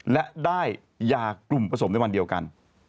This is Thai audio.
และได้ยากลุ่มผสมในวันเดียวกัน